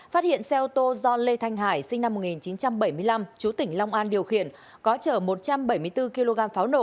phát hiện xe ô tô do lê thanh hải sinh năm một nghìn chín trăm bảy mươi năm chú tỉnh long an điều khiển có chở một trăm bảy mươi bốn kg pháo nổ